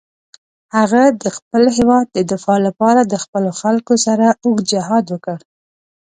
هغه د خپل هېواد د دفاع لپاره د خپلو خلکو سره اوږد جهاد وکړ.